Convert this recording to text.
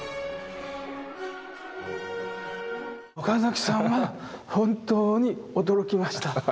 岡さんは本当に驚きました。